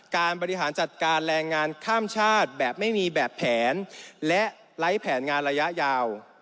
การบริหารจัดการแรงงานข้ามชาติแบบไม่มีแบบแผนและไร้แผนงานระยะยาว